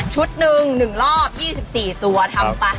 หนึ่ง๑รอบ๒๔ตัวทำไป